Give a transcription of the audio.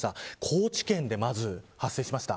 高知県でまず発生しました。